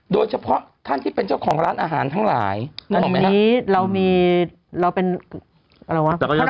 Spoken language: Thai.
โดยเฉพาะท่านที่เป็นเจ้าของร้านอาหารทั้งหลายนี้เรามีเราเป็นอะไรวะ